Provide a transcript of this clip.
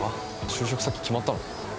就職先決まったの？